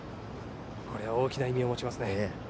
これは大きな意味を持ちますね。